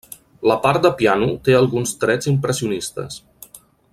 La part de piano té alguns trets impressionistes.